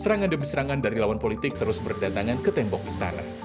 serangan demi serangan dari lawan politik terus berdatangan ke tembok istana